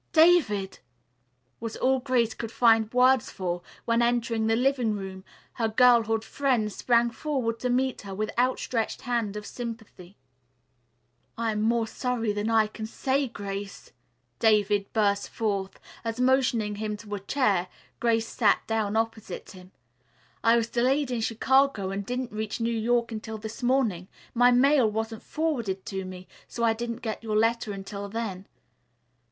"David!" was all Grace could find words for, when, entering the living room, her girlhood friend sprang forward to meet her with outstretched hand of sympathy. "I'm more sorry than I can say, Grace," David burst forth, as, motioning him to a chair, Grace sat down opposite him. "I was delayed in Chicago and didn't reach New York until this morning. My mail wasn't forwarded to me, so I didn't get your letter until then.